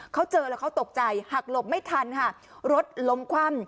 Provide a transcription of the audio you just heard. เขาเจอแล้วเขาตกใจหักหลบไม่ทันค่ะรถล้มคว่ำ